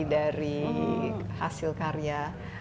dari hasil karya